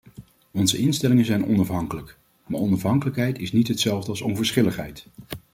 Onze instellingen zijn onafhankelijk, maar onafhankelijkheid is niet hetzelfde als onverschilligheid.